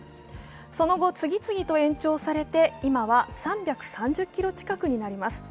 その後、次々と延長されて今は３３０ｋｍ近くになります。